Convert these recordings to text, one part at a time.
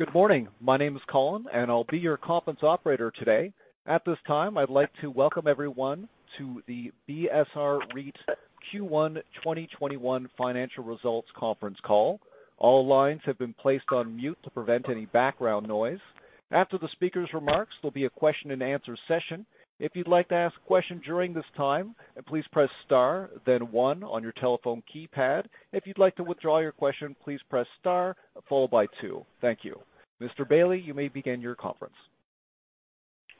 Good morning. My name is Colin, and I'll be your conference operator today. At this time, I'd like to welcome everyone to the BSR REIT Q1 2021 financial results conference call. All lines have been placed on mute to prevent any background noise. After the speakers' remarks, there'll be a question and answer session. If you'd like to ask a question during this time, please press star then one on your telephone keypad. If you'd like to withdraw your question, please press star followed by two. Thank you. Mr. Bailey, you may begin your conference.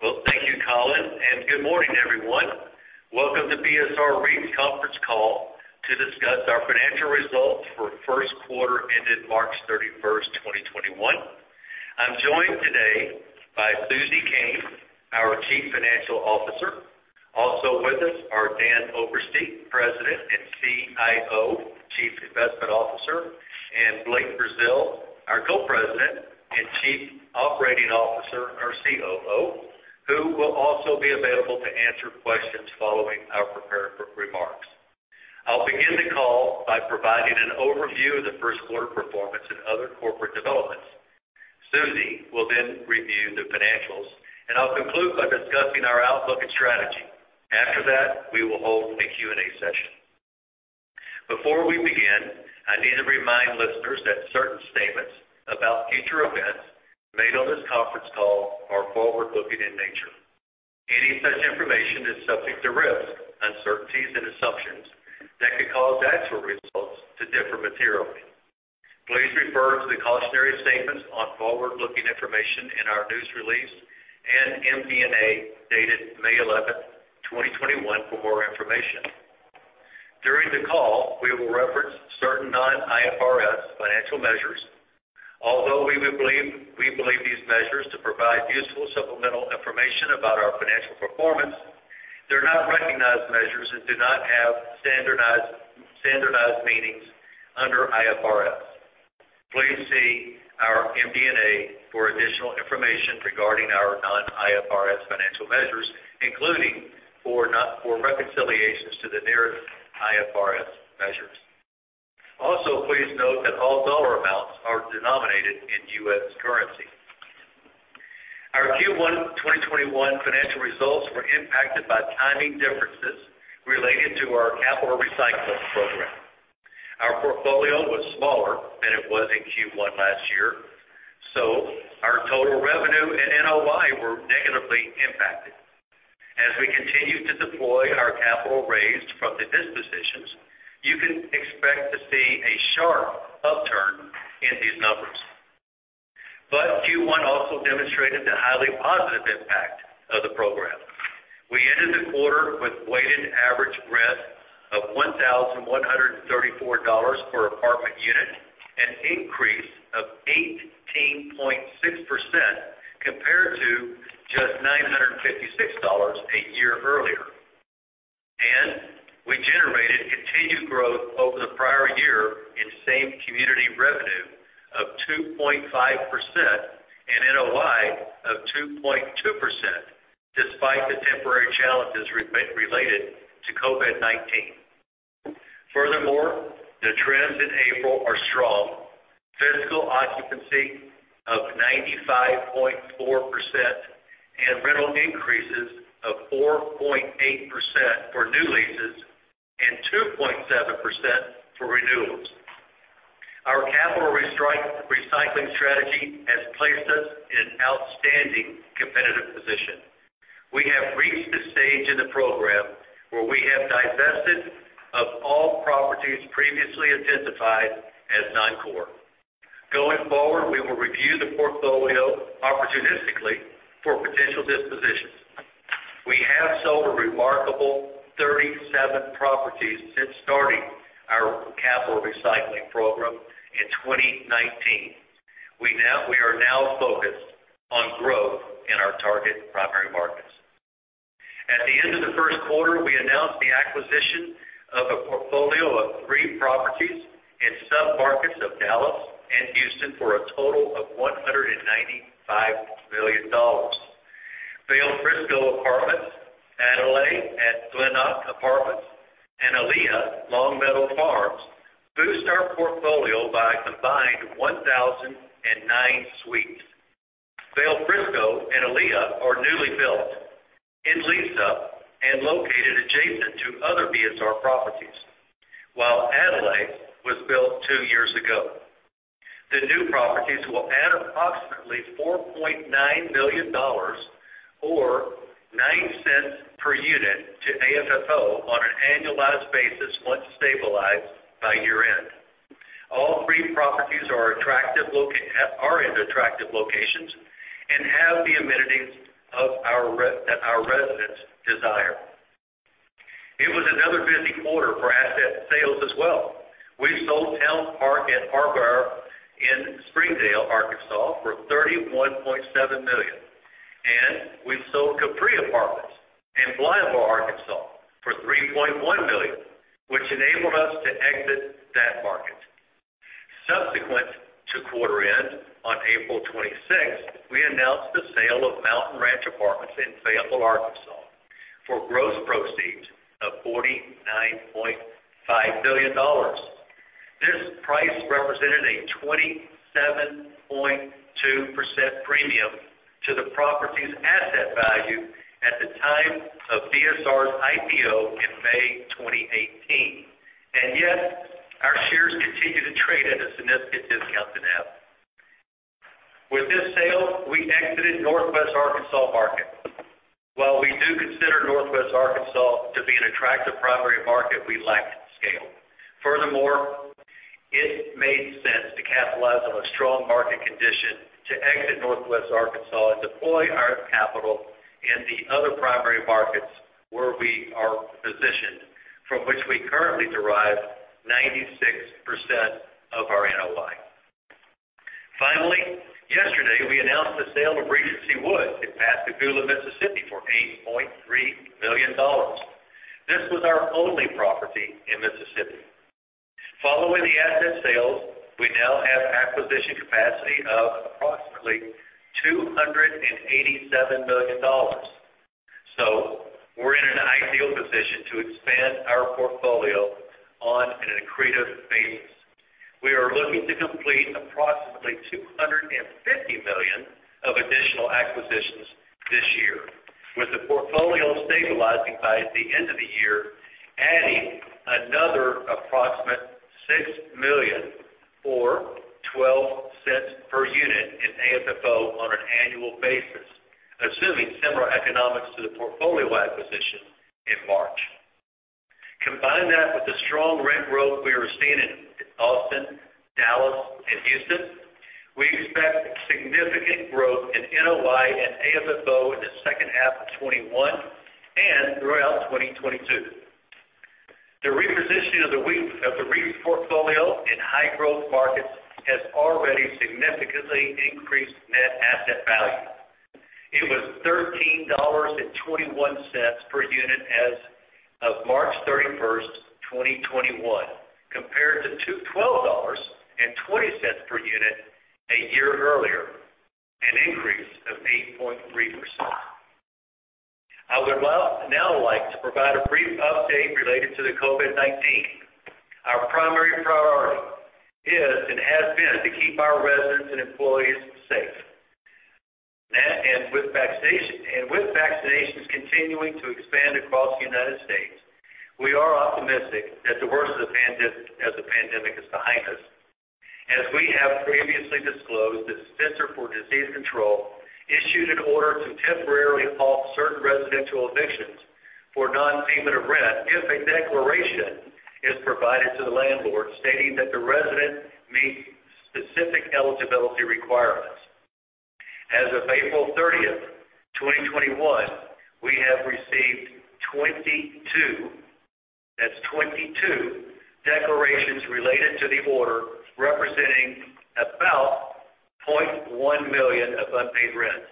Well, thank you, Colin. Good morning, everyone. Welcome to BSR REIT's conference call to discuss our financial results for Q1 ended March 31, 2021. I'm joined today by Susan Koehn, our Chief Financial Officer. Also with us are Dan Oberste, President and CIO, Chief Investment Officer, and Blake Brazeal, our Co-President and Chief Operating Officer, our COO, who will also be available to answer questions following our prepared remarks. I'll begin the call by providing an overview of the Q1 performance and other corporate developments. Susan will then review the financials, and I'll conclude by discussing our outlook and strategy. After that, we will hold a Q&A session. Before we begin, I need to remind listeners that certain statements about future events made on this conference call are forward-looking in nature. Any such information is subject to risks, uncertainties, and assumptions that could cause actual results to differ materially. Please refer to the cautionary statements on forward-looking information in our news release and MD&A dated May 11th, 2021, for more information. During the call, we will reference certain non-IFRS financial measures. Although we believe these measures to provide useful supplemental information about our financial performance, they're not recognized measures and do not have standardized meanings under IFRS. Please see our MD&A for additional information regarding our non-IFRS financial measures, including for reconciliations to the nearest IFRS measures. Also, please note that all dollar amounts are denominated in US currency. Our Q1 2021 financial results were impacted by timing differences related to our capital recycling program. Our portfolio was smaller than it was in Q1 last year, our total revenue and NOI were negatively impacted. As we continue to deploy our capital raised from the dispositions, you can expect to see a sharp upturn in these numbers. Q1 also demonstrated the highly positive impact of the program. We ended the quarter with weighted average rent of $1,134 per apartment unit, an increase of 18.6% compared to just $956 a year earlier. We generated continued growth over the prior year in same community revenue of 2.5% and NOI of 2.2%, despite the temporary challenges related to COVID-19. Furthermore, the trends in April are strong. Physical occupancy of 95.4% and rental increases of 4.8% for new leases and 2.7% for renewals. Our capital recycling strategy has placed us in an outstanding competitive position. We have reached the stage in the program where we have divested of all properties previously identified as non-core. Going forward, we will review the portfolio opportunistically for potential dispositions. We have sold a remarkable 37 properties since starting our capital recycling program in 2019. We are now focused on growth in our target primary markets. At the end of the Q1, we announced the acquisition of a portfolio of three properties in sub-markets of Dallas and Houston for a total of $195 million. Vale Frisco Apartments, Adley at Gleannloch Apartments, and Alleia Long Meadow Farms boost our portfolio by a combined 1,009 suites. Vale Frisco and Alleia are newly built, in lease-up, and located adjacent to other BSR properties, while Adley was built two years ago. The new properties will add approximately $4.9 million, or $0.09 per unit, to AFFO on an annualized basis once stabilized by year-end. All three properties are in attractive locations and have the amenities that our residents desire. It was another busy quarter for asset sales as well. We sold Towne Park at Har-Ber in Springdale, Arkansas, for $31.7 million, and we sold Capri Apartments in Blytheville, Arkansas, for $3.1 million, which enabled us to exit that market. Subsequent to quarter end, on April 26th, we announced the sale of Mountain Ranch Apartments in Fayetteville, Arkansas, for gross proceeds $49.5 million. This price represented a 27.2% premium to the property's asset value at the time of BSR's IPO in May 2018, and yet our shares continue to trade at a significant discount to NAV. With this sale, we exited Northwest Arkansas market. While we do consider Northwest Arkansas to be an attractive primary market, we lacked scale. It made sense to capitalize on a strong market condition to exit Northwest Arkansas and deploy our capital in the other primary markets where we are positioned, from which we currently derive 96% of our NOI. Finally, yesterday, we announced the sale of Regency Woods in Pascagoula, Mississippi for $8.3 million. This was our only property in Mississippi. Following the asset sales, we now have acquisition capacity of approximately $287 million. We're in an ideal position to expand our portfolio on an accretive basis. We are looking to complete approximately $250 million of additional acquisitions this year, with the portfolio stabilizing by the end of the year, adding another approximate $6 million or $0.12 per unit in AFFO on an annual basis, assuming similar economics to the portfolio acquisition in March. Combine that with the strong rent growth we are seeing in Austin, Dallas and Houston, we expect significant growth in NOI and AFFO in the second half of 2021 and throughout 2022. The repositioning of the REIT portfolio in high growth markets has already significantly increased net asset value. It was $13.21 per unit as of March 31st, 2021, compared to $12.20 per unit a year earlier, an increase of 8.3%. I would now like to provide a brief update related to the COVID-19. Our primary priority is and has been to keep our residents and employees safe. With vaccinations continuing to expand across the United States, we are optimistic that the worst of the pandemic is behind us. As we have previously disclosed, the Centers for Disease Control and Prevention issued an order to temporarily halt certain residential evictions for non-payment of rent if a declaration is provided to the landlord stating that the resident meets specific eligibility requirements. As of April 30th, 2021, we have received 22, that's 22, declarations related to the order, representing about $0.1 million of unpaid rent.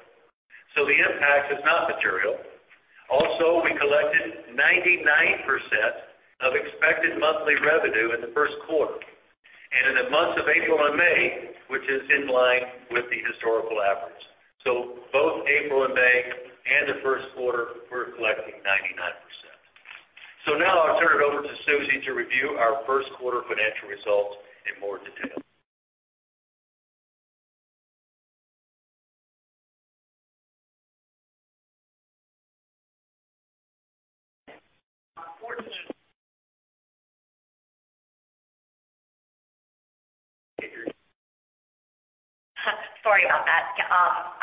The impact is not material. We collected 99% of expected monthly revenue in the Q1 and in the months of April and May, which is in line with the historical average. Both April and May and the Q1, we're collecting 99%. Now I'll turn it over to Suzy to review our Q1 financial results in more detail. 14 Figures. Sorry about that.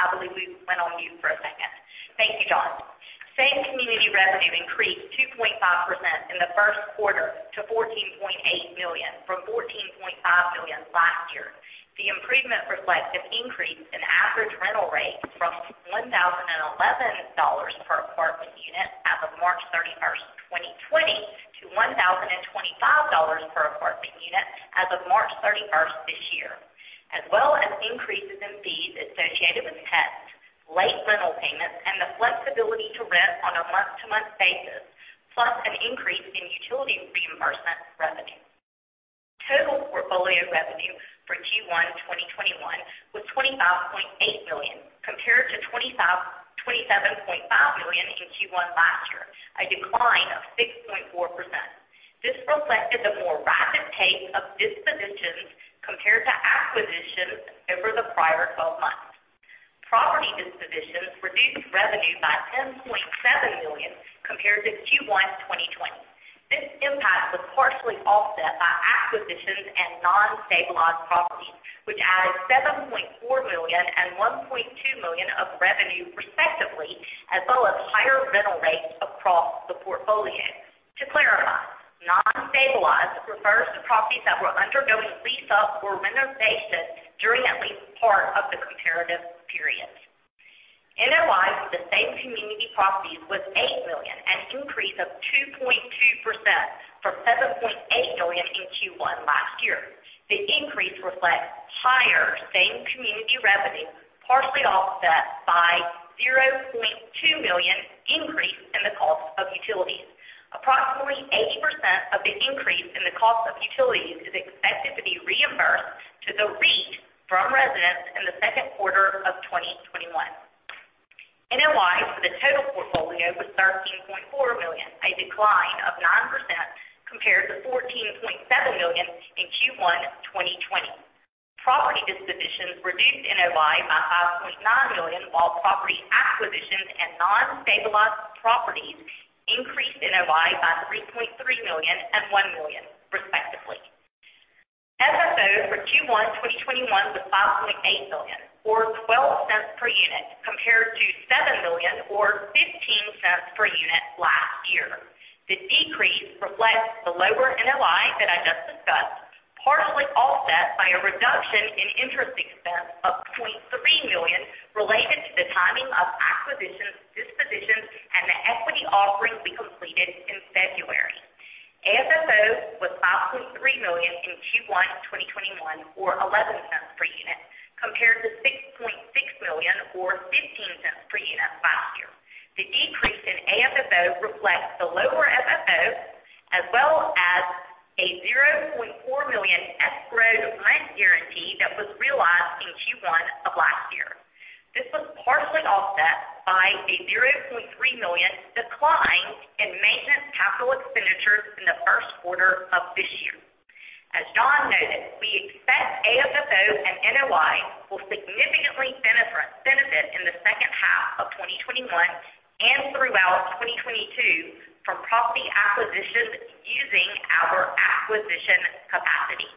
I believe we went on mute for a second. Thank you, John. Same-community revenue increased 2.5% in the Q1 to $14.8 million from $14.5 million last year. The improvement reflects an increase in average rental rate from $1,011 per apartment unit as of March 31st, 2020 to $1,025 per apartment unit as of March 31st this year, as well as increases in fees associated with pets, late rental payments, and the flexibility to rent on a month-to-month basis, plus an increase in utility reimbursement revenue. Total portfolio revenue for Q1 2021 was $25.8 million, compared to $27.5 million in Q1 last year, a decline of 6.4%. This reflected the more rapid pace of dispositions compared to acquisitions over the prior 12 months. Property dispositions reduced revenue by $10.7 million compared to Q1 2020. This impact was partially offset by acquisitions and non-stabilized properties, which added $7.4 million and $1.2 million of revenue respectively, as well as higher rental rates across the portfolio. To clarify, non-stabilized refers to properties that were undergoing lease up or renovation during at least part of the comparative period. NOI for the same community properties was $8 million, an increase of 2.2% from $7.8 million in Q1 last year. The increase reflects higher same-community revenue, partially offset by $0.2 million increase in the cost of utilities. The cost of utilities is expected to be reimbursed to the REIT from residents in the second quarter of 2021. NOI for the total portfolio was $13.4 million, a decline of 9% compared to $14.7 million in Q1 2020. Property distributions reduced NOI by $5.9 million, while property acquisitions and non-stabilized properties increased NOI by $3.3 million and $1 million respectively. FFO for Q1 2021 was $5.8 million or $0.12 per unit compared to $7 million or $0.15 per unit last year. The decrease reflects the lower NOI that I just discussed, partially offset by a reduction in interest expense of $2.3 million related to the timing of acquisitions, distributions, and the equity offerings we completed in February. AFFO was $5.3 million in Q1 2021, or $0.11 per unit, compared to $6.6 million or $0.15 per unit last year. The increase in AFFO reflects the lower FFO as well as a $0.4 million escrowed rent guarantee that was realized in Q1 of last year. This was partially offset by a $0.3 million decline in maintenance capital expenditures in the Q1 of this year. As John noted, we expect AFFO and NOI will significantly benefit in the second half of 2021 and throughout 2022 from property acquisitions using our acquisition capacity.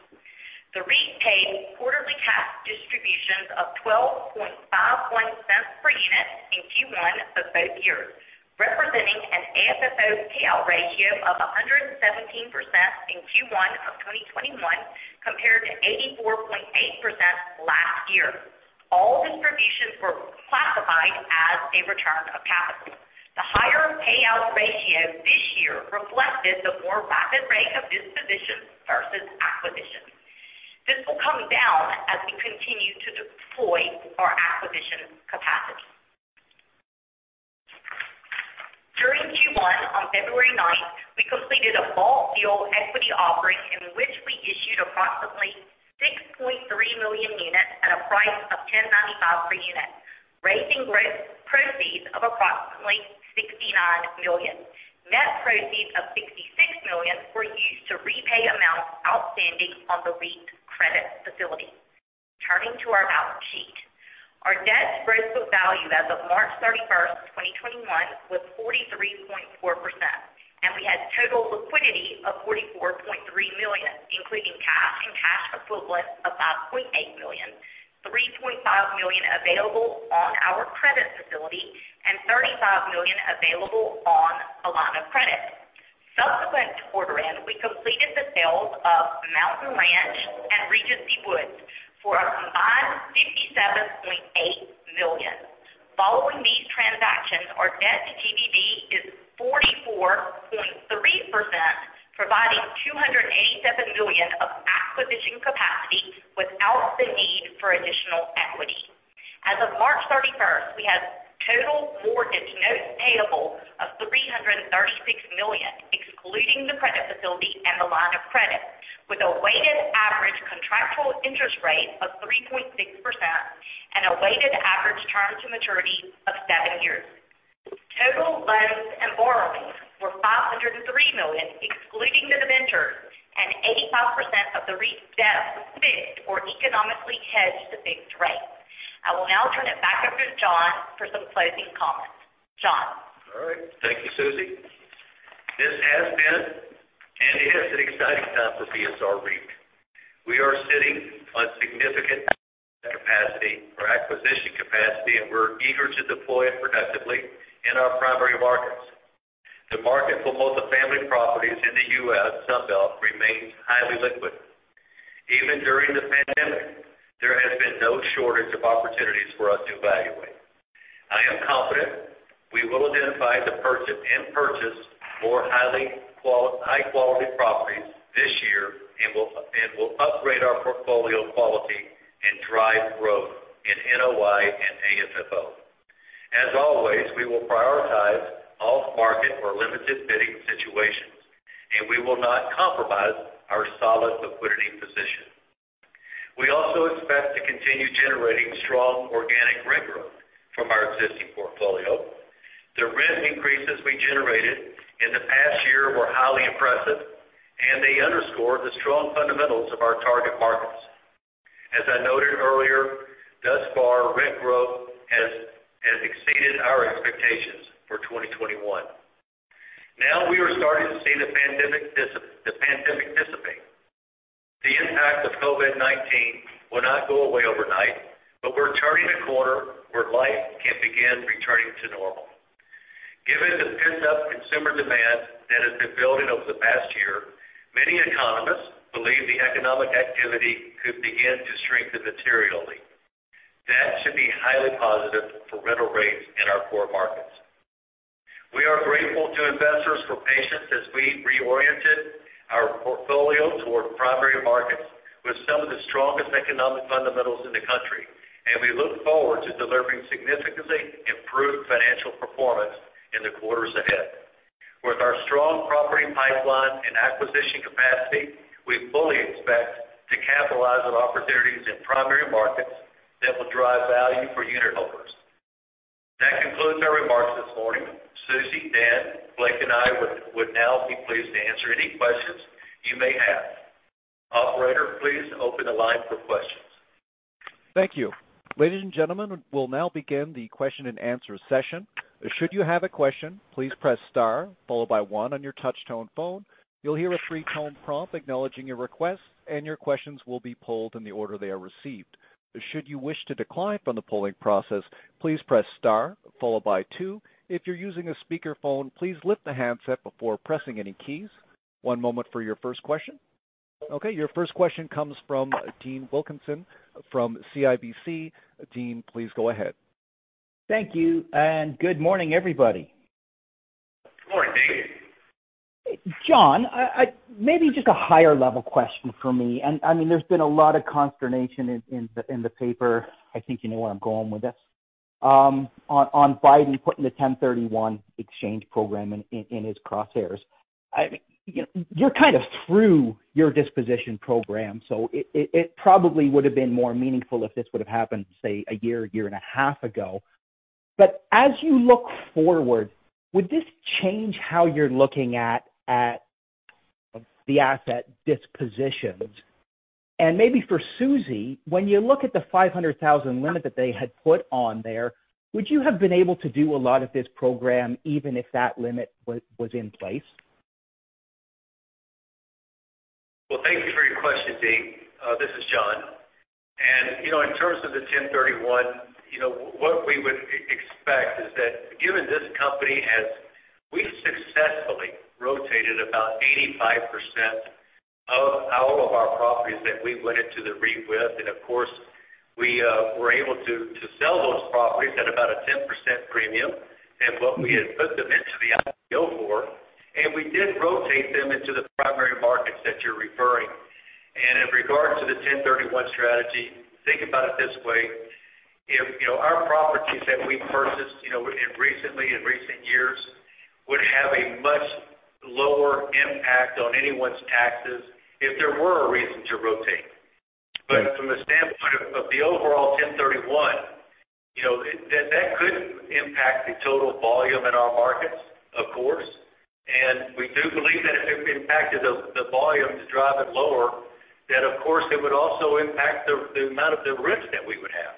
The REIT paid quarterly cash distributions of $0.125 per unit in Q1 of this year, representing an AFFO payout ratio of 117% in Q1 of 2021 compared to 84.8% last year. All distributions were classified as a return of capital. The higher payout ratio this year reflected the more rapid rate of dispositions versus acquisitions. This will come down as we continue to deploy our acquisition capacity. During Q1, on February 9th, we completed a bought deal equity offering in which we issued approximately 6.3 million units at a price of $10.95 per unit, raising gross proceeds of approximately $69 million. Net proceeds of $66 million were used to repay amounts outstanding on the REIT credit facility. Turning to our balance sheet. Our debt to gross book value as of March 31st, 2021, was 43.4%. We had total liquidity of $44.3 million, including cash and cash equivalents of $5.8 million, $3.5 million available on our credit facility, and $35 million available on a line of credit. Subsequent to quarter-end, we completed the sales of Mountain Ranch and Regency Woods for a combined $87.8 million. Following these transactions, our net debt to gross book value is 44.3%, providing $287 million of acquisition capacity without the need for additional equity. As of March 31st, we have total mortgages payable of $336 million, excluding the credit facility and the line of credit, with a weighted average contractual interest rate of 3.6% and a weighted average time to maturity of 7 years. Total loans and borrowings were $503 million, excluding the VTBs. 85% of the REIT's debt was fixed or economically hedged to fixed rates. I will now turn it back over to John for some closing comments. John. All right. Thank you, Susan Koehn. This has been an exciting time for BSR REIT. We are sitting on significant capacity for acquisition capacity, and we're eager to deploy it productively in our primary markets. The market for multifamily properties in the U.S. Sunbelt remains highly liquid. Even during the pandemic, there has been no shortage of opportunities for us to evaluate. I am confident we will identify to purchase and purchase more high-quality properties this year, and we'll upgrade our portfolio quality and drive growth in NOI and AFFO. As always, we will prioritize off-market or limited bidding situations, and we will not compromise our solid liquidity position. We also expect to continue generating strong organic rent growth from our existing portfolio. The rent increases we generated in the past year were highly impressive, and they underscore the strong fundamentals of our target markets. As I noted earlier, thus far, rent growth has exceeded our expectations for 2021. Now we are starting to see the pandemic dissipate. The impact of COVID-19 will not go away overnight, but we're turning a corner where life can begin returning to normal. Given the pent-up consumer demand that has been building over the past year, many economists believe the economic activity could begin to strengthen materially. That should be highly positive for rental rates in our core markets. We are grateful to investors for patience as we reoriented our portfolio toward primary markets with some of the strongest economic fundamentals in the country. We look forward to delivering significantly improved financial performance in the quarters ahead. With our strong property pipeline and acquisition capacity, we fully expect to capitalize on opportunities in primary markets that will drive value for unitholders. That concludes our remarks this morning. Susan, Dan, Blake, and I would now be pleased to answer any questions you may have. Operator, please open the line for questions. Thank you. Ladies and gentlemen, we'll now begin the question and answer session. Should you have a question, please press star followed by one on your touch-tone phone. You'll hear a three-tone prompt acknowledging your request, and your questions will be polled in the order they are received. Should you wish to decline from the polling process, please press star followed by two. If you're using a speakerphone, please lift the handset before pressing any keys. One moment for your first question. Okay, your first question comes from Dean Wilkinson from CIBC. Dean, please go ahead. Thank you. Good morning, everybody. Good morning, Dean. John, maybe just a higher-level question for me. There's been a lot of consternation in the paper, I think you know where I'm going with this, on Biden putting the 1031 Exchange Program in his crosshairs. You're kind of through your disposition program, so it probably would've been more meaningful if this would've happened, say, a year and a half ago. As you look forward, would this change how you're looking at the asset dispositions? Maybe for Susan, when you look at the $500,000 limit that they had put on there, would you have been able to do a lot of this program even if that limit was in place? Well, thank you for your question, Dean. This is John. In terms of the 1031, what we would expect is that We've successfully rotated about 85% of all of our properties that we went into the REIT with, and of course, we were able to sell those properties at about a 10% premium and what we had put them into the IPO for, and we did rotate them into the primary markets that you're referring. In regard to the 1031 strategy, think about it this way. If our properties that we purchased in recent years would have a much lower impact on anyone's taxes if there were a reason to rotate. From a standpoint of the overall 1031, that could impact the total volume in our markets, of course. We do believe that if it impacted the volume to drive it lower, then of course it would also impact the amount of the rents that we would have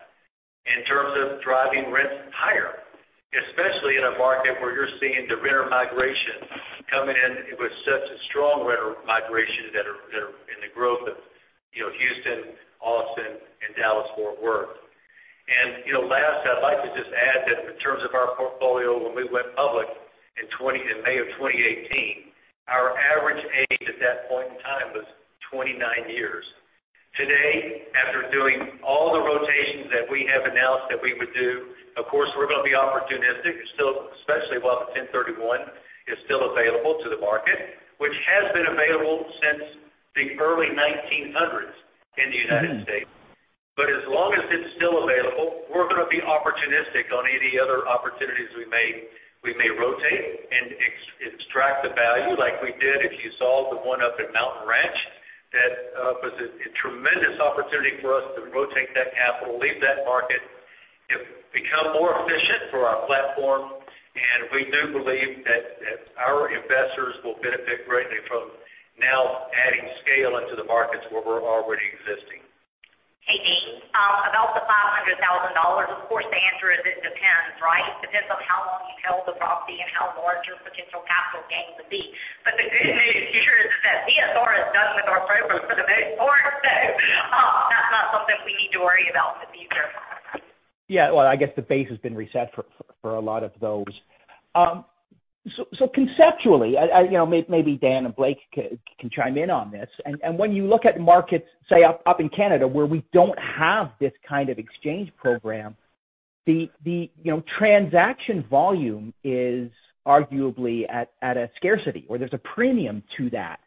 in terms of driving rents higher, especially in a market where you're seeing the renter migration coming in with such a strong renter migration that are in the growth of Houston, Austin, and Dallas-Fort Worth. Last, I'd like to just add that in terms of our portfolio when we went public in May of 2018, our average age at that point in time was 29 years. Today, after doing all the rotations that we have announced that we would do, of course, we're going to be opportunistic, especially while the 1031 is still available to the market, which has been available since the early 1900s in the United States. As long as it's still available, we're going to be opportunistic on any other opportunities we may rotate and extract the value like we did if you saw the one up in Mountain Ranch. That was a tremendous opportunity for us to rotate that capital, leave that market, and become more efficient for our platform. We do believe that our investors will benefit greatly from now adding scale into the markets where we're already existing. Hey, Dean. About the $500,000, of course, the answer is it depends, right? Depends on how long you held the property and how large your potential capital gains would be. The good news here is that BSR is done with our program for the most part, so that's not something we need to worry about in the future. Yeah. Well, I guess the base has been reset for a lot of those. Conceptually, maybe Dan and Blake can chime in on this. When you look at markets, say, up in Canada where we don't have this kind of exchange program, the transaction volume is arguably at a scarcity where there's a premium to that.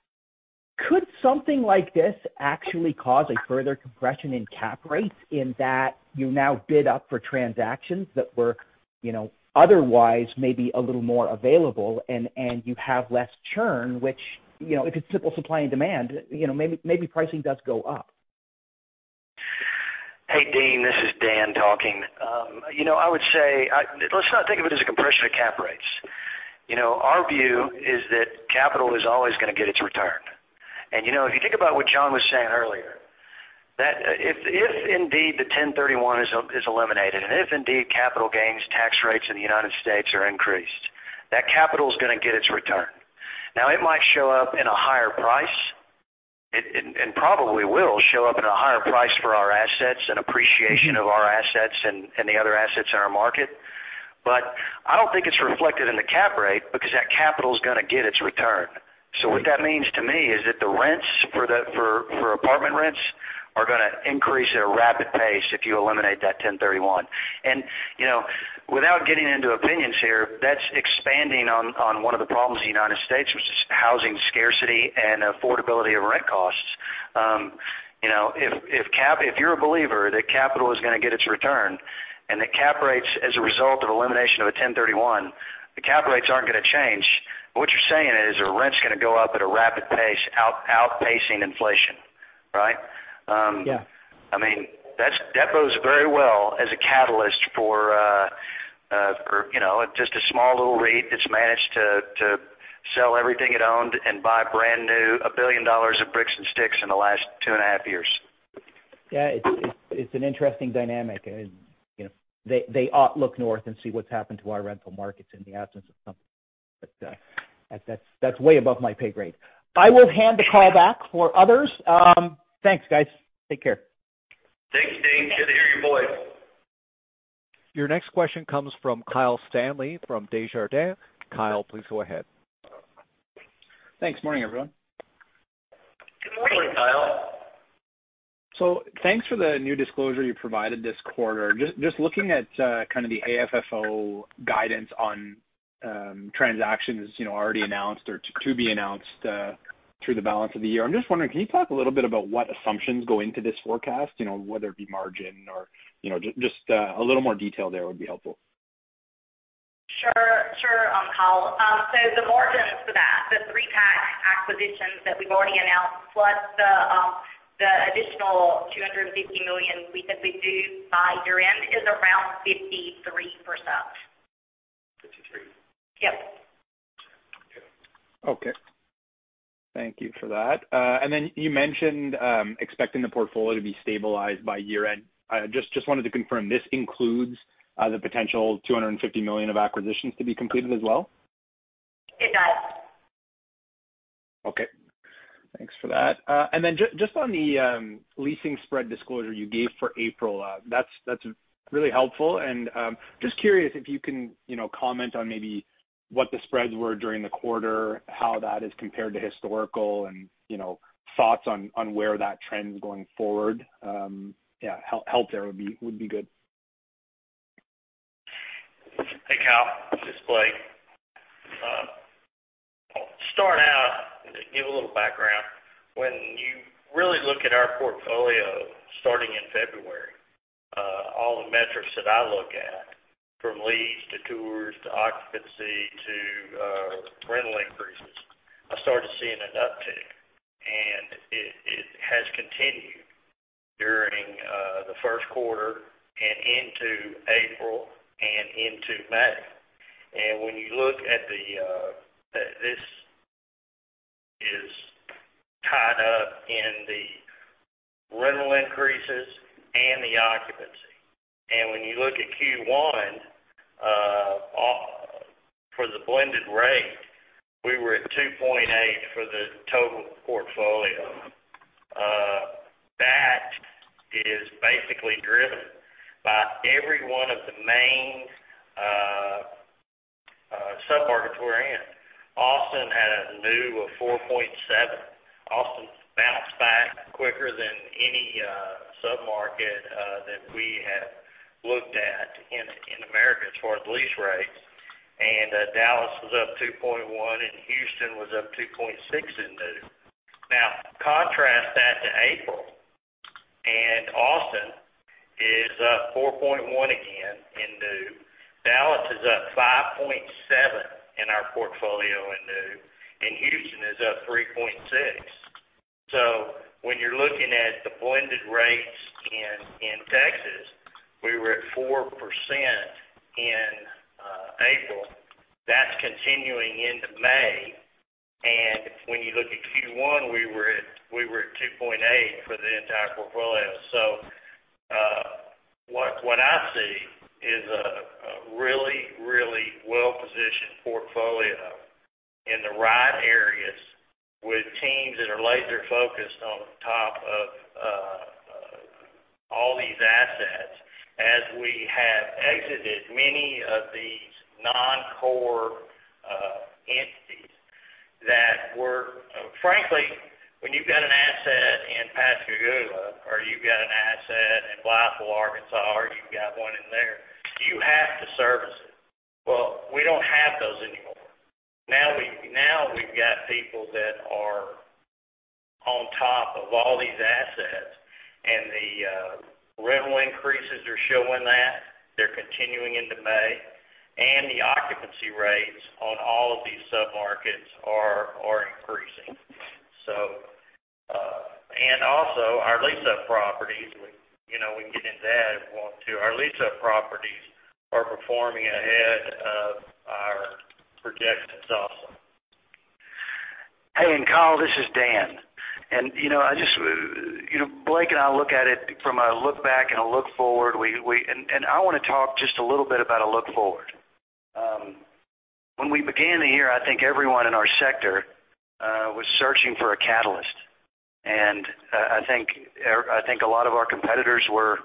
Could something like this actually cause a further compression in cap rates in that you now bid up for transactions that were otherwise maybe a little more available, and you have less churn, which if it's simple supply and demand, maybe pricing does go up? Hey, Dean, this is Dan talking. I would say, let's not think of it as a compression of cap rates. If you think about what John was saying earlier, that if indeed the 1031 is eliminated, and if indeed capital gains tax rates in the United States are increased, that capital's going to get its return. It might show up in a higher price, and probably will show up in a higher price for our assets and appreciation of our assets and the other assets in our market. I don't think it's reflected in the cap rate because that capital's going to get its return. What that means to me is that For apartment rents are going to increase at a rapid pace if you eliminate that 1031. Without getting into opinions here, that's expanding on one of the problems in the U.S., which is housing scarcity and affordability of rent costs. If you're a believer that capital is going to get its return and that cap rates as a result of elimination of a 1031, the cap rates aren't going to change. What you're saying is the rent's going to go up at a rapid pace, outpacing inflation. Right? Yeah. That bodes very well as a catalyst for just a small little REIT that's managed to sell everything it owned and buy brand new, $1 billion of bricks and sticks in the last two and a half years. Yeah, it's an interesting dynamic. They ought look north and see what's happened to our rental markets in the absence of something. That's way above my pay grade. I will hand the call back for others. Thanks, guys. Take care. Thanks, Dean. Good to hear your voice. Your next question comes from Kyle Stanley, from Desjardins. Kyle, please go ahead. Thanks. Morning, everyone. Good morning. Morning, Kyle. Thanks for the new disclosure you provided this quarter. Just looking at kind of the AFFO guidance on transactions already announced or to be announced through the balance of the year, I'm just wondering, can you talk a little bit about what assumptions go into this forecast, whether it be margin or just a little more detail there would be helpful? Sure. Kyle. The margins for that, the three pack acquisitions that we've already announced, plus the additional $250 million we said we'd do by year-end, is around 53%. 53? Yep. Okay. Okay. Thank you for that. You mentioned expecting the portfolio to be stabilized by year-end. I just wanted to confirm this includes the potential $250 million of acquisitions to be completed as well. It does. Okay. Thanks for that. Just on the leasing spread disclosure you gave for April, that's really helpful. Just curious if you can comment on maybe what the spreads were during the quarter, how that is compared to historical, and thoughts on where that trend is going forward. Yeah, help there would be good. Hey, Kyle, this is Blake. Start out, give a little background. When you really look at our portfolio starting in February, all the metrics that I look at from lease to tours to occupancy to rental increases, I started seeing an uptick, and it has continued during the Q1 and into April and into May. When you look at this is tied up in the rental increases and the occupancy. When you look at Q1 for the blended rate, we were at 2.8% for the total portfolio. That is basically driven by every one of the main sub-market we're in. Austin had a new of 4.7%. Austin bounced back quicker than any sub-market that we have looked at in the U.S. as far as lease rates. Dallas was up 2.1%. Houston was up 2.6% in new. Contrast that to April, Austin is up 4.1% again in new. Dallas is up 5.7% in our portfolio in new, and Houston is up 3.6%. When you're looking at the blended rates in Texas, we were at 4% in April. That's continuing into May. When you look at Q1, we were at 2.8% for the entire portfolio. What I see is a really well-positioned portfolio in the right areas with teams that are laser-focused on top of all these assets as we have exited many of these non-core entities. Frankly, when you've got an asset in Pascagoula or you've got an asset in Blytheville, Arkansas, or you've got one in there, you have to service it. Well, we don't have those anymore. Now we've got people that are on top of all these assets, and the rental increases are showing that, they're continuing into May, and the occupancy rates on all of these sub-markets are increasing. Also our lease-up properties, we can get into that if we want to. Our lease-up properties are performing ahead of our projections also. Hey, Kyle, this is Dan. Blake and I look at it from a look back and a look forward. I want to talk just a little bit about a look forward. When we began the year, I think everyone in our sector was searching for a catalyst. I think a lot of our competitors were.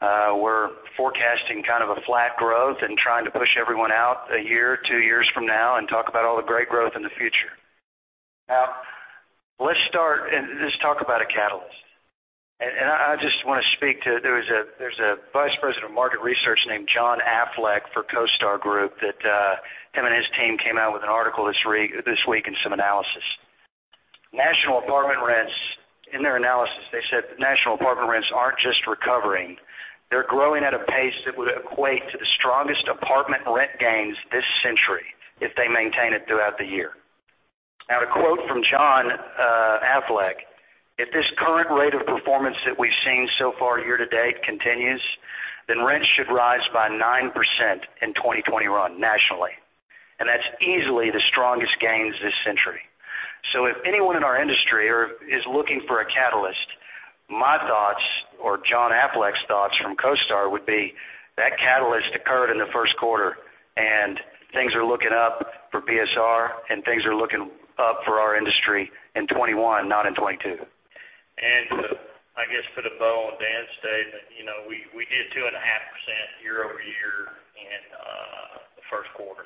We're forecasting kind of a flat growth and trying to push everyone out a year, two years from now and talk about all the great growth in the future. Let's start and just talk about a catalyst. I just want to speak to There is a vice president of market research named John Affleck for CoStar Group, that him and his team came out with an article this week and some analysis. In their analysis, they said national apartment rents aren't just recovering, they're growing at a pace that would equate to the strongest apartment rent gains this century if they maintain it throughout the year. To quote from John Affleck, "If this current rate of performance that we've seen so far year to date continues, then rents should rise by 9% in 2021 nationally, and that's easily the strongest gains this century." If anyone in our industry is looking for a catalyst, my thoughts, or John Affleck's thoughts from CoStar, would be that catalyst occurred in the Q1, and things are looking up for BSR, and things are looking up for our industry in 2021, not in 2022. I guess to put a bow on Dan's statement, we did 2.5% year-over-year in the Q1.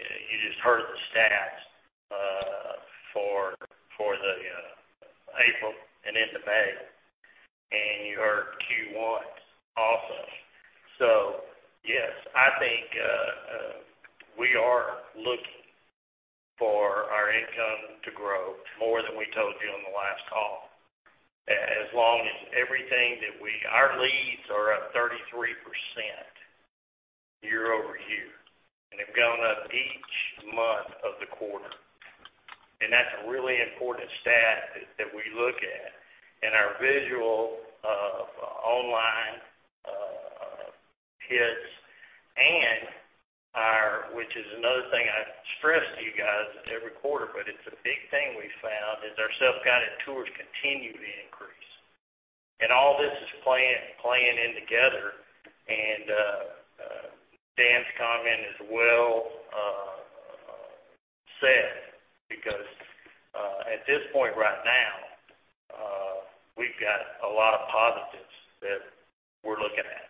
You just heard the stats for the April and into May, and you heard Q1 also. Yes, I think we are looking for our income to grow more than we told you on the last call. Our leads are up 33% year-over-year, and have gone up each month of the quarter. That's a really important stat that we look at in our visual of online hits. Which is another thing I stress to you guys every quarter, but it's a big thing we've found, is our self-guided tours continue to increase. All this is playing in together. Dan's comment is well said, because at this point right now, we've got a lot of positives that we're looking at.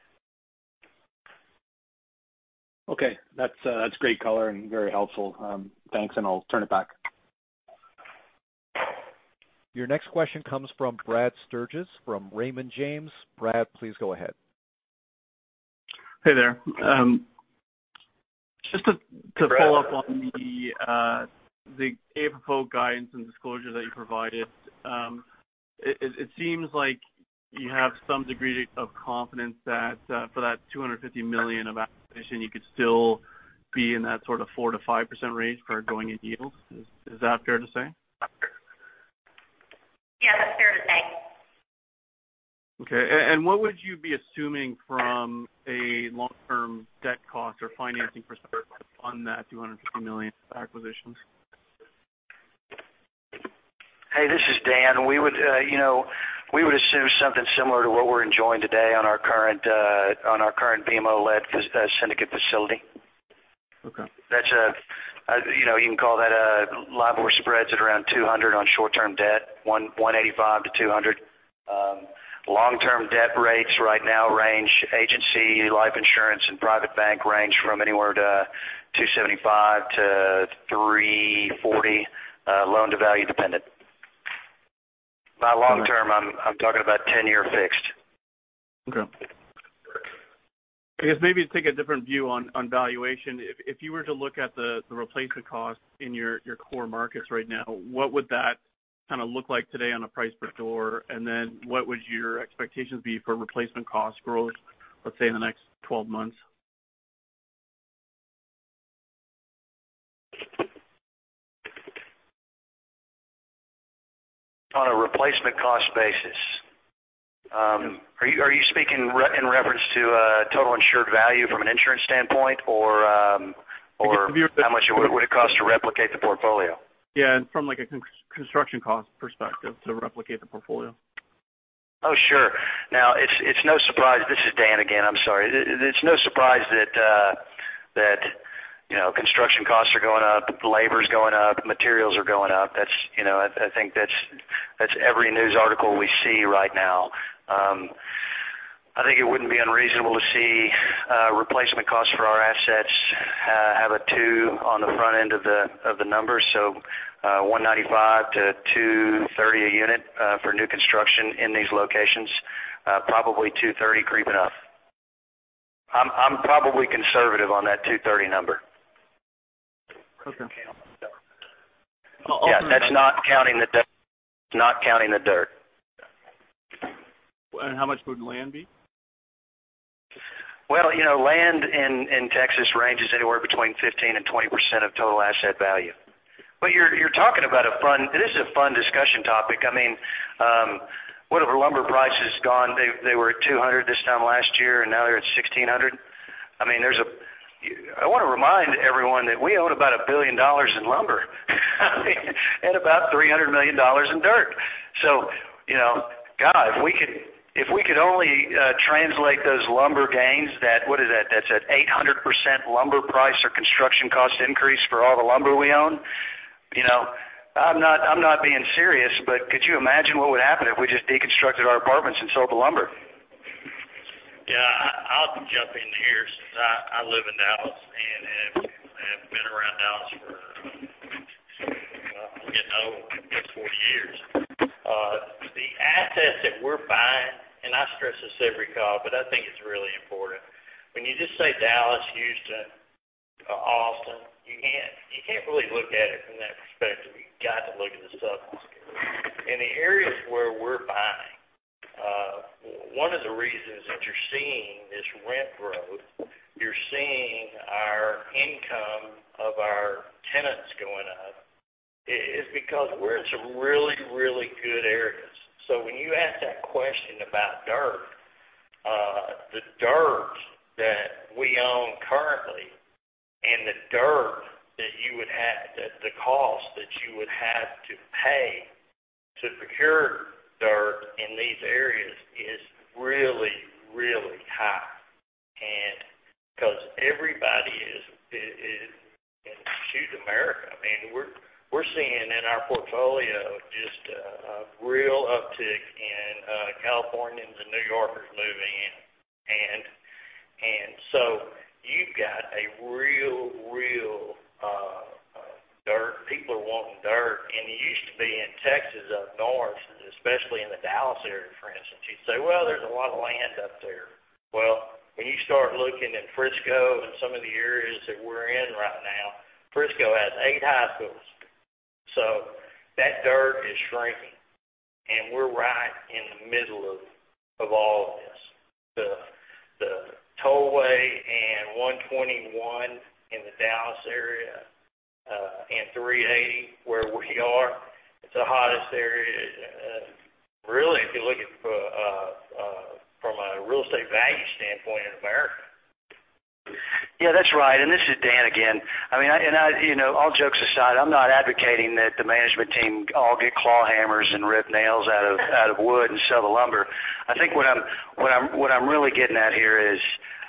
Okay. That's great color and very helpful. Thanks, I'll turn it back. Your next question comes from Brad Sturges from Raymond James. Brad, please go ahead. Hey there. Just to follow up on the April guidance and disclosure that you provided. It seems like you have some degree of confidence that for that $250 million of acquisition, you could still be in that sort of 4%-5% range for going-in yields. Is that fair to say? Yeah, that's fair to say. Okay. What would you be assuming from a long-term debt cost or financing perspective on that $250 million of acquisitions? Hey, this is Dan. We would assume something similar to what we're enjoying today on our current BMO-led syndicate facility. Okay. You can call that LIBOR spreads at around 200 on short-term debt, 185-200. Long-term debt rates right now range agency life insurance and private bank range from anywhere to 275-340, loan-to-value dependent. By long-term, I'm talking about 10-year fixed. Okay. I guess maybe to take a different view on valuation, if you were to look at the replacement cost in your core markets right now, what would that kind of look like today on a price per door? What would your expectations be for replacement cost growth, let's say, in the next 12 months? On a replacement cost basis? Yes. Are you speaking in reference to total insured value from an insurance standpoint, or? I guess to be- How much would it cost to replicate the portfolio? Yeah, from, like, a construction cost perspective to replicate the portfolio. Oh, sure. Now, it's no surprise. This is Dan again, I'm sorry. It's no surprise that construction costs are going up, labor's going up, materials are going up. I think that's every news article we see right now. I think it wouldn't be unreasonable to see replacement costs for our assets have a two on the front end of the numbers, so $195-$230 a unit for new construction in these locations. Probably $230 creeping up. I'm probably conservative on that $230 number. Okay. Yeah, that's not counting the dirt. How much would land be? Well, land in Texas ranges anywhere between 15% and 20% of total asset value. This is a fun discussion topic. I mean, whatever lumber price has gone, they were at $200 this time last year, and now they're at $1,600. I want to remind everyone that we own about $1 billion in lumber and about $300 million in dirt. God, if we could only translate those lumber gains, what is that? That's at 800% lumber price or construction cost increase for all the lumber we own. I'm not being serious, but could you imagine what would happen if we just deconstructed our apartments and sold the lumber? I'll jump in here since I live in Dallas and have been around Dallas for, well, I'm getting old, close to 40 years. The assets that we're buying, and I stress this every call, but I think it's really important. When you just say Dallas, Houston, Austin, you can't really look at it from that perspective. You've got to look at the suburbs. In the areas where we're buying, one of the reasons that you're seeing this rent growth, you're seeing our income of our tenants going up, is because we're in some really good areas. When you ask that question about dirt, the dirt that we own currently and the dirt that you would have, the cost that you would have to pay to procure dirt in these areas is really high. Shoot, America, man, we're seeing in our portfolio just a real uptick in Californians and New Yorkers moving in. You've got a real dirt. People are wanting dirt, and it used to be in Texas up north, especially in the Dallas area, for instance, you'd say, "Well, there's a lot of land up there." When you start looking at Frisco and some of the areas that we're in right now, Frisco has eight high schools, so that dirt is shrinking, and we're right in the middle of all of this. The tollway and 121 in the Dallas area, and 380 where we are, it's the hottest area, really, if you're looking from a real estate value standpoint in America. Yeah, that's right. This is Dan again. All jokes aside, I'm not advocating that the management team all get claw hammers and rip nails out of wood and sell the lumber. I think what I'm really getting at here is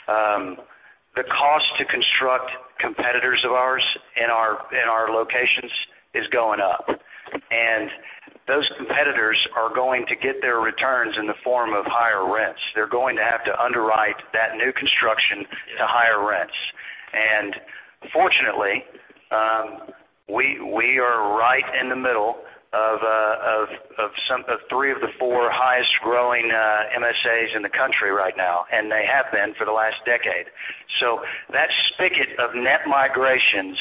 the cost to construct competitors of ours in our locations is going up, and those competitors are going to get their returns in the form of higher rents. They're going to have to underwrite that new construction to higher rents. Fortunately, we are right in the middle of three of the four highest growing MSAs in the country right now, and they have been for the last decade. That spigot of net migrations,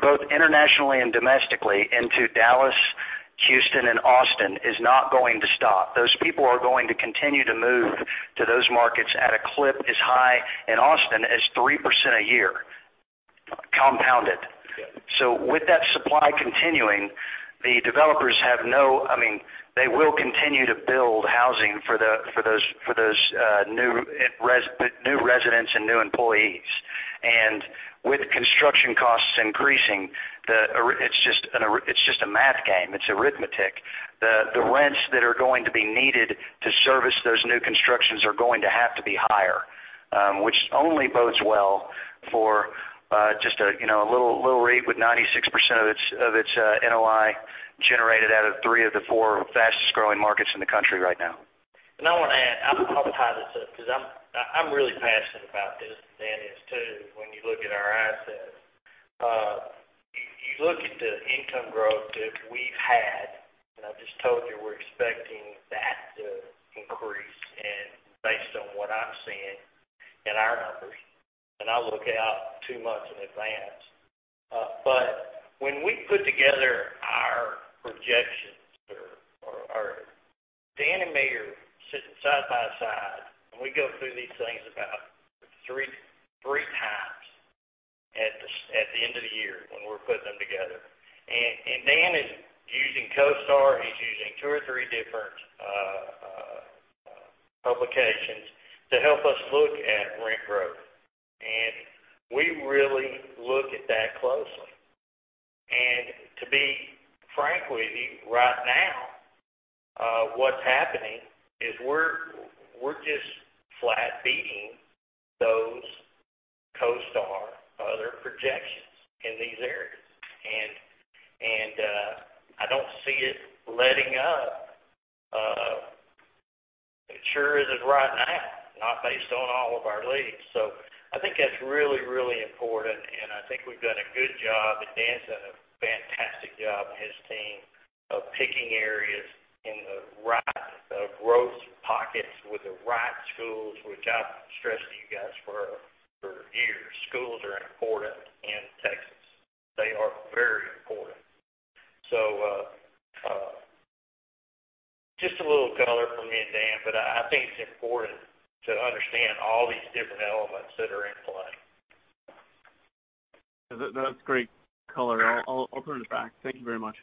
both internationally and domestically into Dallas, Houston, and Austin is not going to stop. Those people are going to continue to move to those markets at a clip as high in Austin as 3% a year, compounded. Yeah. With that supply continuing, They will continue to build housing for those new residents and new employees. With construction costs increasing, it's just a math game. It's arithmetic. The rents that are going to be needed to service those new constructions are going to have to be higher, which only bodes well for just a little REIT with 96% of its NOI generated out of three of the four fastest-growing markets in the country right now. I want to add, I'll tie this up because I'm really passionate about this, and Dan is too. When you look at our assets, you look at the income growth that we've had, and I just told you we're expecting that to increase, and based on what I'm seeing in our numbers, and I look out two months in advance. When we put together our projections, Dan and me are sitting side by side, and we go through these things about three times at the end of the year when we're putting them together. Dan is using CoStar, he's using two or three different publications to help us look at rent growth. We really look at that closely. To be frank with you, right now, what's happening is we're just flat beating those CoStar other projections in these areas. I don't see it letting up. It sure isn't right now, not based on all of our leads. I think that's really important, and I think we've done a good job, and Dan's done a fantastic job and his team of picking areas in the right growth pockets with the right schools, which I've stressed to you guys for years. Schools are important in Texas. They are very important. Just a little color from me and Dan, but I think it's important to understand all these different elements that are in play. That's great color. I'll put it in the back. Thank you very much.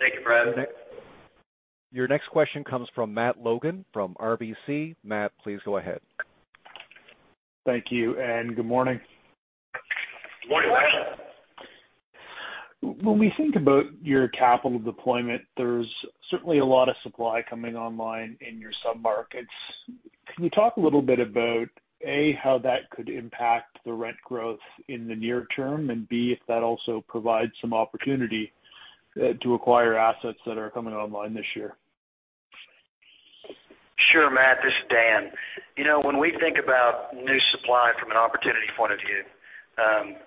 Thank you, Brad. Your next question comes from Matt Logan from RBC. Matt, please go ahead. Thank you, and good morning. Good morning. When we think about your capital deployment, there's certainly a lot of supply coming online in your sub-markets. Can you talk a little bit about, A, how that could impact the rent growth in the near term, and B, if that also provides some opportunity to acquire assets that are coming online this year? Sure, Matt. This is Dan. When we think about new supply from an opportunity point of view,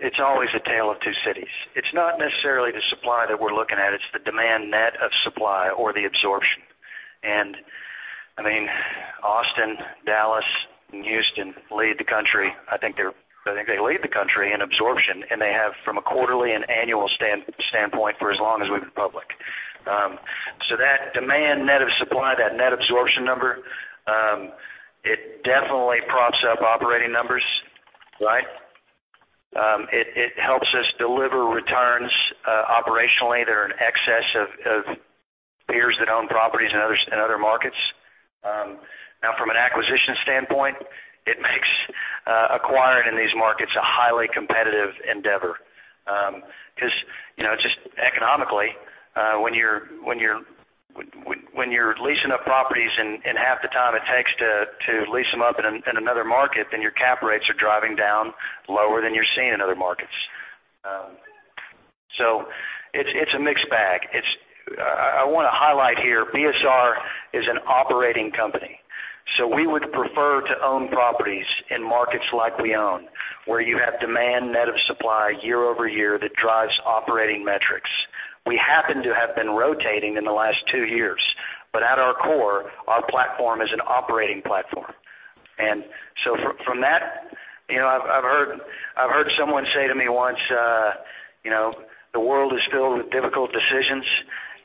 it's always a tale of two cities. It's not necessarily the supply that we're looking at, it's the demand net of supply or the absorption. Austin, Dallas, and Houston lead the country, I think they lead the country in absorption, and they have from a quarterly and annual standpoint for as long as we've been public. That demand net of supply, that net absorption number, it definitely props up operating numbers. It helps us deliver returns operationally that are in excess of peers that own properties in other markets. Now, from an acquisition standpoint, it makes acquiring in these markets a highly competitive endeavor. Because, just economically, when you're leasing up properties in half the time it takes to lease them up in another market, then your cap rates are driving down lower than you're seeing in other markets. It's a mixed bag. I want to highlight here, BSR is an operating company. We would prefer to own properties in markets like we own, where you have demand net of supply year over year that drives operating metrics. We happen to have been rotating in the last two years. At our core, our platform is an operating platform. From that, I've heard someone say to me once, "The world is filled with difficult decisions,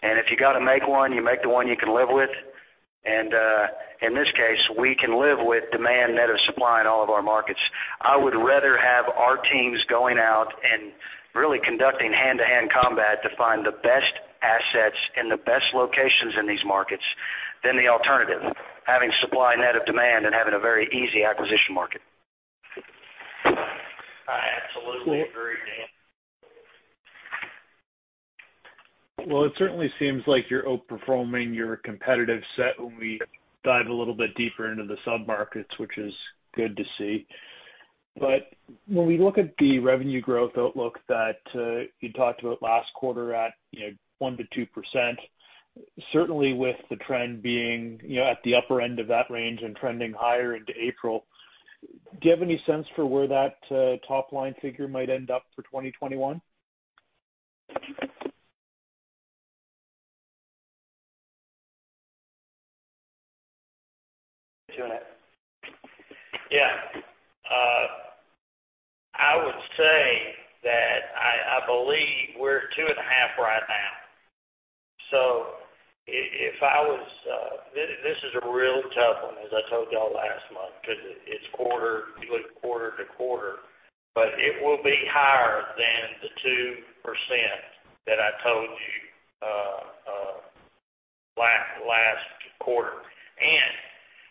and if you got to make one, you make the one you can live with." In this case, we can live with demand net of supply in all of our markets. I would rather have our teams going out and really conducting hand-to-hand combat to find the best assets in the best locations in these markets than the alternative, having supply net of demand and having a very easy acquisition market. I absolutely agree, Dan. Well, it certainly seems like you're outperforming your competitive set when we dive a little bit deeper into the sub-markets, which is good to see. When we look at the revenue growth outlook that you talked about last quarter at 1%-2%, certainly with the trend being at the upper end of that range and trending higher into April, do you have any sense for where that top-line figure might end up for 2021? I would say that I believe we're 2.5 right now. This is a real tough one, as I told y'all last month, because you look quarter to quarter, but it will be higher than the 2% that I told you last quarter.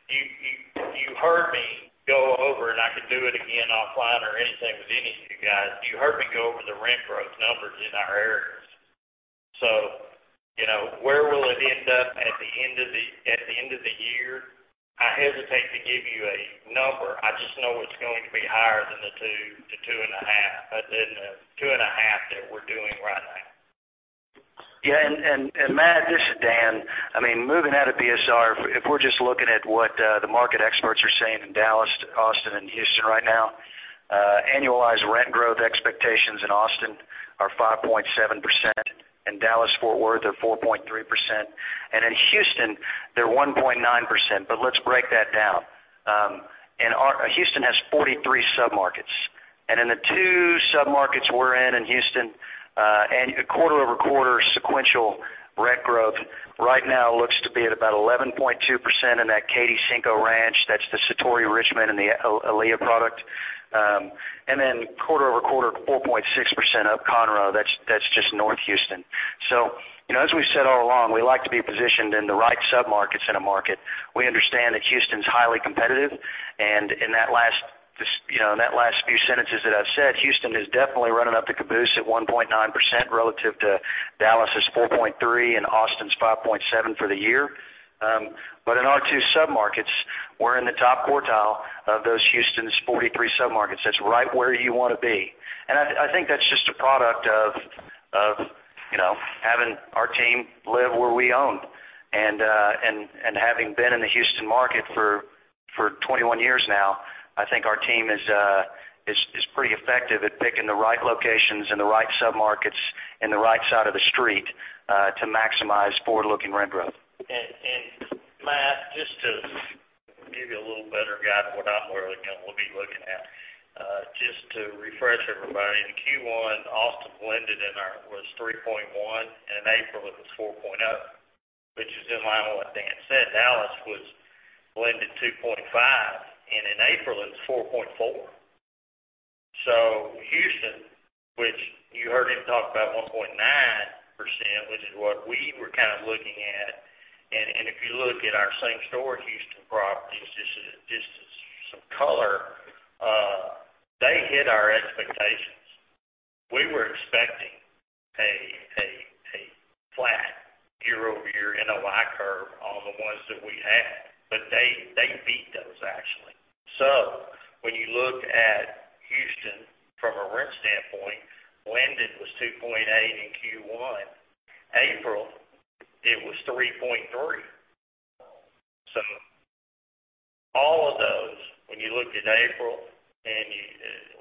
You heard me go over, and I could do it again offline or anything with any of you guys, you heard me go over the rent growth numbers in our areas. Where will it end up at the end of the year? I hesitate to give you a number. I just know it's going to be higher than the 2.5 that we're doing right now. Yeah. Matt, this is Dan. Moving out of BSR, if we're just looking at what the market experts are saying in Dallas to Austin and Houston right now, annualized rent growth expectations in Austin are 5.7%, in Dallas-Fort Worth, they're 4.3%, and in Houston, they're 1.9%. Let's break that down. Houston has 43 sub-markets, and in the two sub-markets we're in Houston, quarter-over-quarter sequential rent growth right now looks to be at about 11.2% in that Katy Cinco Ranch, that's the Satori Richmond and the Alleia product. Quarter-over-quarter, 4.6% up Conroe, that's just North Houston. As we've said all along, we like to be positioned in the right sub-markets in a market. We understand that Houston's highly competitive, and in that last few sentences that I've said, Houston's definitely running up the caboose at 1.9% relative to Dallas' 4.3% and Austin's 5.7% for the year. In our two sub-markets, we're in the top quartile of those Houston's 43 sub-markets. That's right where you want to be. I think that's just a product of having our team live where we own. Having been in the Houston market for 21 years now, I think our team is pretty effective at picking the right locations and the right sub-markets and the right side of the street to maximize forward-looking rent growth. Matt, just to give you a little better guide on what I'm really going to be looking at. Just to refresh everybody, in Q1, Austin blended in was 3.1%, and in April, it was 4.0%, which is in line with what Dan said. Dallas was blended 2.5%, and in April, it was 4.4%. Houston, which you heard him talk about 1.9% is what we were kind of looking at. If you look at our same-store Houston properties, just as some color, they hit our expectations. We were expecting a flat year-over-year NOI curve on the ones that we had, but they beat those actually. When you look at Houston from a rent standpoint, blended was 2.8% in Q1. April, it was 3.3%. All of those, when you looked at April, and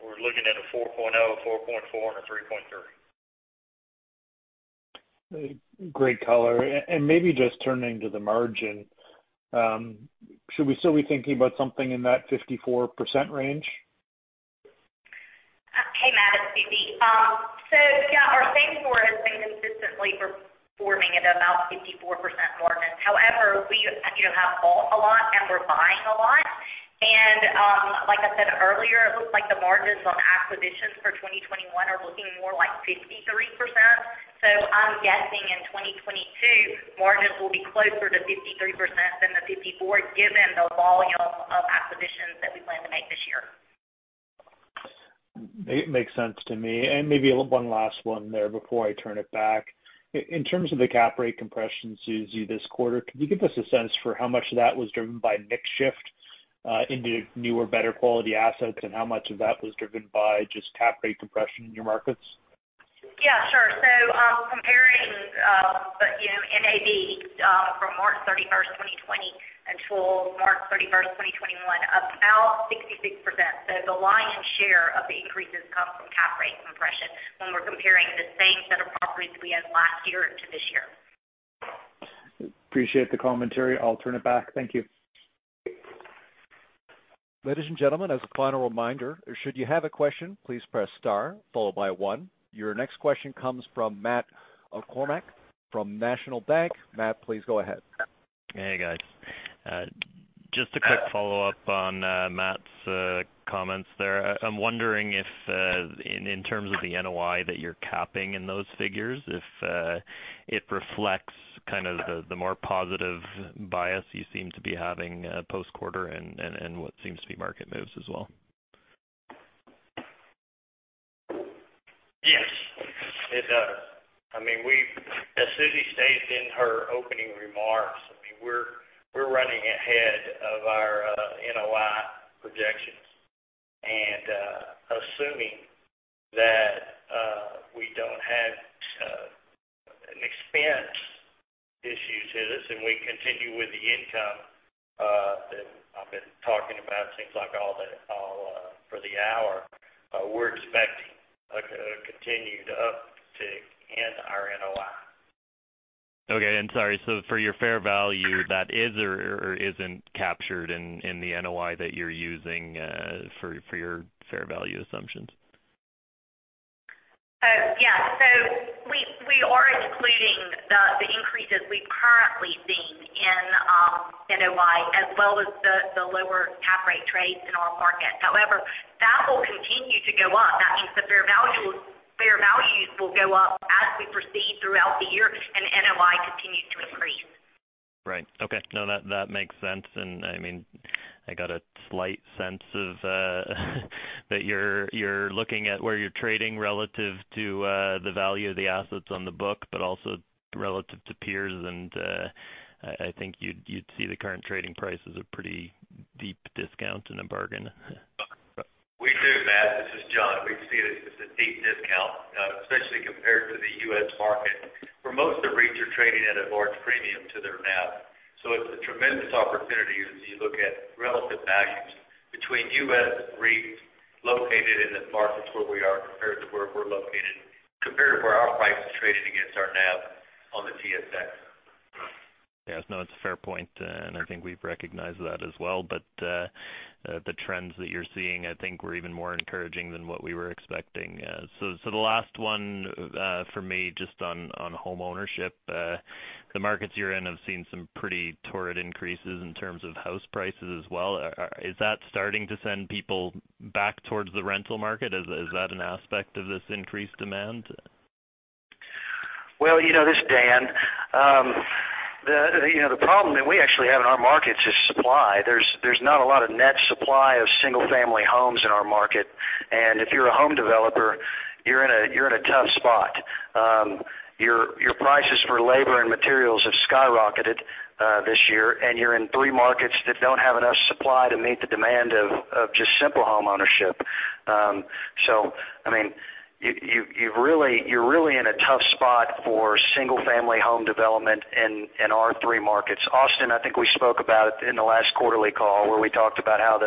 we're looking at a 4.0%, 4.4%, and a 3.3%. Great color. Maybe just turning to the margin, should we still be thinking about something in that 54% range? Hey, Matt, it's Suzy. Yeah, our same-store has been consistently performing at about 54% margins. However, we have bought a lot and we're buying a lot, and like I said earlier, it looks like the margins on acquisitions for 2021 are looking more like 53%. I'm guessing in 2022, margins will be closer to 53% than the 54%, given the volume of acquisitions that we plan to make this year. Makes sense to me. Maybe one last one there before I turn it back. In terms of the cap rate compression, Suzy, this quarter, could you give us a sense for how much of that was driven by mix shift into newer, better quality assets, and how much of that was driven by just cap rate compression in your markets? Yeah, sure. Comparing the NAV from March 31st, 2020 until March 31st, 2021, about 66%. The lion's share of the increases come from cap rate compression when we're comparing the same set of properties we had last year to this year. Appreciate the commentary. I'll turn it back. Thank you. Ladies and gentlemen, as a final reminder, should you have a question, please press star followed by one. Your next question comes from Matt Kornack from National Bank. Matt, please go ahead. Hey, guys. Just a quick follow-up on Matt's comments there. I'm wondering if in terms of the NOI that you're capping in those figures, if it reflects kind of the more positive bias you seem to be having post-quarter, and what seems to be market moves as well. Yes, it does. As Susie stated in her opening remarks, we're running ahead of our NOI projections. Assuming that we don't have an expense issue to this and we continue with the income that I've been talking about, seems like all for the hour, we're expecting a continued uptick in our NOI. Okay. Sorry, for your fair value, that is or isn't captured in the NOI that you're using for your fair value assumptions? Yeah. We are including the increases we've currently seen in NOI as well as the lower cap rate trades in our market. However, that will continue to go up. That means the fair values will go up as we proceed throughout the year and NOI continues to increase. Right. Okay. No, that makes sense. I got a slight sense of that you're looking at where you're trading relative to the value of the assets on the book, but also relative to peers, I think you'd see the current trading price as a pretty deep discount and a bargain. We do, Matt. This is John. We see it as a deep discount, especially compared to the U.S. market, where most of the REITs are trading at a large premium to their NAV. It's a tremendous opportunity as you look at relative values between U.S. REITs located in the markets where we are compared to where we're located, compared to where our price is trading against our NAV on the TSX. Yes. No, it's a fair point, and I think we've recognized that as well. The trends that you're seeing, I think were even more encouraging than what we were expecting. The last one for me, just on home ownership. The markets you're in have seen some pretty torrid increases in terms of house prices as well. Is that starting to send people back towards the rental market? Is that an aspect of this increased demand? This is Dan. The problem that we actually have in our markets is supply. There's not a lot of net supply of single-family homes in our market. If you're a home developer, you're in a tough spot. Your prices for labor and materials have skyrocketed this year, and you're in three markets that don't have enough supply to meet the demand of just simple home ownership. You're really in a tough spot for single-family home development in our three markets. Austin, I think we spoke about in the last quarterly call, where we talked about how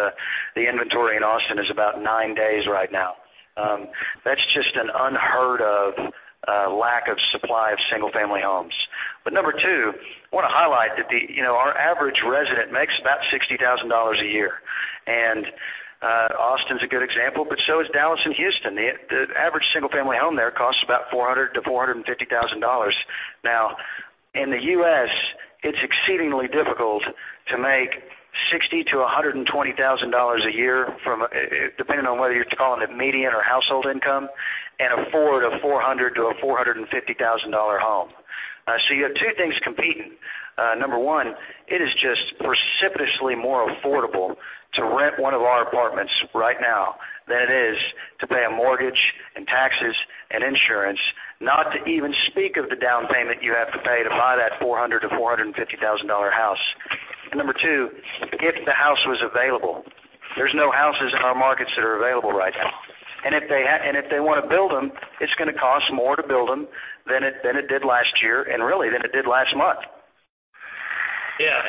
the inventory in Austin is about nine days right now. That's just an unheard of lack of supply of single-family homes. Number two, I want to highlight that our average resident makes about $60,000 a year. Austin's a good example, but so is Dallas and Houston. The average single-family home there costs about $400,000-$450,000 now. In the U.S., it's exceedingly difficult to make $60,000-$120,000 a year, depending on whether you're calling it median or household income, and afford a $400,000-$450,000 home. You have two things competing. Number one, it is just precipitously more affordable to rent one of our apartments right now than it is to pay a mortgage and taxes and insurance, not to even speak of the down payment you have to pay to buy that $400,000-$450,000 house. Number two, if the house was available, there's no houses in our markets that are available right now. If they want to build them, it's going to cost more to build them than it did last year, and really, than it did last month. Yeah.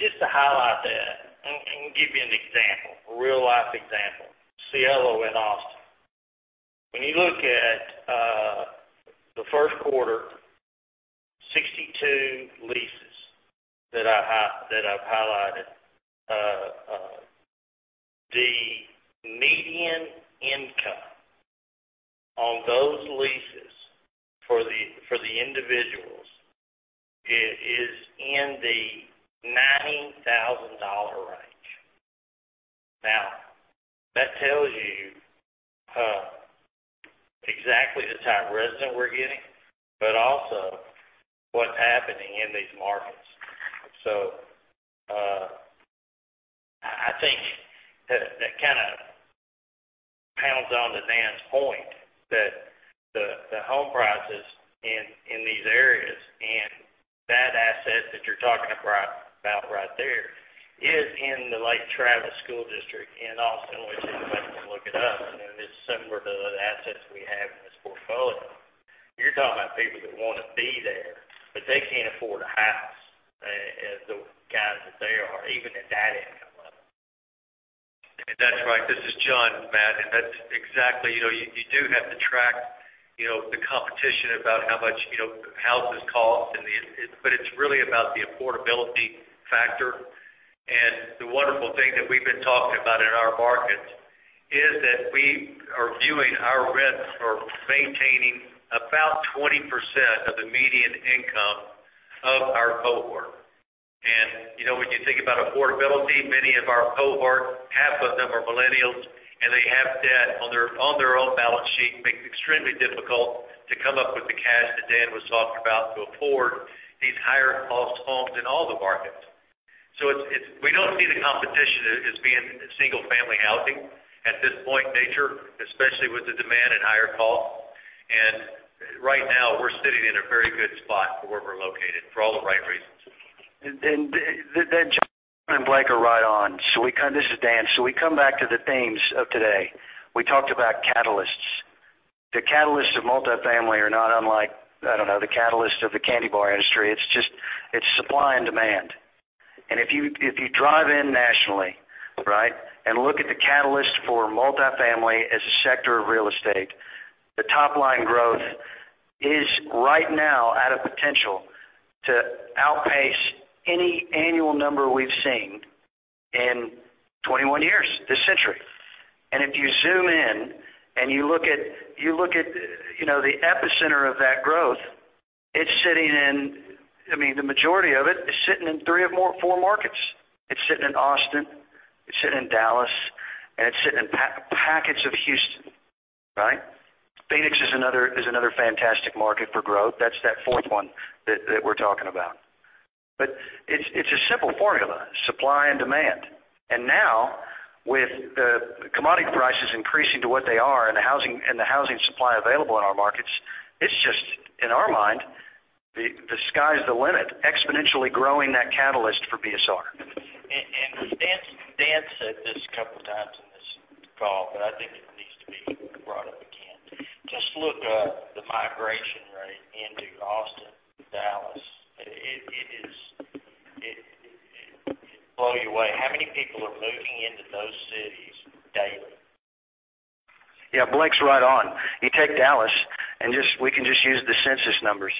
Just to highlight that, and give you an example, a real-life example. Cielo in Austin. When you look at the Q1, 62 leases that I've highlighted. The median income on those leases for the individuals is in the $19,000 range. That tells you exactly the type of resident we're getting, but also what's happening in these markets. I think that kind of pounds on to Dan's point that the home prices in these areas, and that asset that you're talking about right there is in the Lake Travis Independent School District in Austin, which anybody can look it up, and it is similar to other assets we have in this portfolio. You're talking about people that want to be there, but they can't afford a house, the guys that they are, even at that income level. That's right. This is John, Matt. That's exactly. You do have to track the competition about how much houses cost, but it's really about the affordability factor. The wonderful thing that we've been talking about in our markets is that we are viewing our rents are maintaining about 20% of the median income of our cohort. When you think about affordability, many of our cohort, half of them are millennials, and they have debt on their own balance sheet, makes it extremely difficult to come up with the cash that Dan was talking about to afford these higher cost homes in all the markets. We don't see the competition as being single-family housing at this point in nature, especially with the demand and higher cost. Right now, we're sitting in a very good spot for where we're located, for all the right reasons. Jay and Blake are right on. This is Dan. We come back to the themes of today. We talked about catalysts. The catalysts of multifamily are not unlike the catalyst of the candy bar industry. It's supply and demand. If you drive in nationally and look at the catalyst for multifamily as a sector of real estate, the top-line growth is right now at a potential to outpace any annual number we've seen in 21 years this century. If you zoom in and you look at the epicenter of that growth, the majority of it is sitting in three of four markets. It's sitting in Austin, it's sitting in Dallas, and it's sitting in pockets of Houston. Phoenix is another fantastic market for growth. That's that fourth one that we're talking about. It's a simple formula, supply and demand. With the commodity prices increasing to what they are and the housing supply available in our markets, it's just, in our mind, the sky's the limit, exponentially growing that catalyst for BSR. Dan said this a couple of times in this call, but I think it needs to be brought up again. Just look up the migration rate into Austin, Dallas. It'll blow you away. How many people are moving into those cities daily? Yeah, Blake's right on. You take Dallas, and we can just use the census numbers.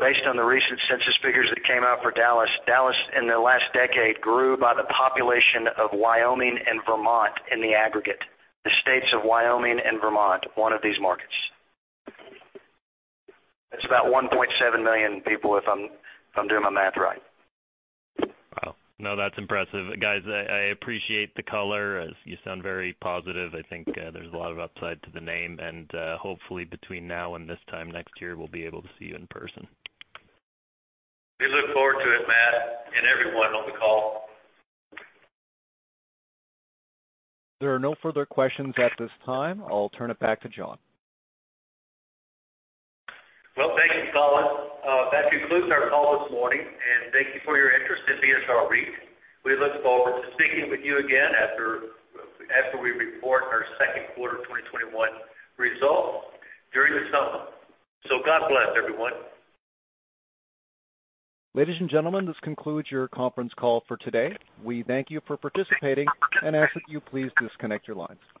Based on the recent census figures that came out for Dallas in the last decade grew by the population of Wyoming and Vermont in the aggregate. The states of Wyoming and Vermont, one of these markets. It's about 1.7 million people if I'm doing my math right. Wow. No, that's impressive. Guys, I appreciate the color. You sound very positive. I think there's a lot of upside to the name, and hopefully between now and this time next year, we'll be able to see you in person. We look forward to it, Matt, and everyone on the call. There are no further questions at this time. I'll turn it back to John. Well, thank you, Colin. That concludes our call this morning, and thank you for your interest in BSR REIT. We look forward to speaking with you again after we report our second quarter 2021 results during the summer. God bless, everyone. Ladies and gentlemen, this concludes your conference call for today. We thank you for participating and ask that you please disconnect your lines.